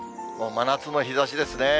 真夏の日ざしですね。